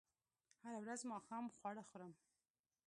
هره ورځ ماښام خواړه خورم